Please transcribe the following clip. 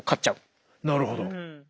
なるほど。